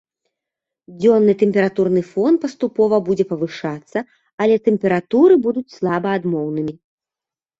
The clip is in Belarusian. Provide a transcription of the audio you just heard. Дзённы тэмпературны фон паступова будзе павышацца, але тэмпературы будуць слаба адмоўнымі.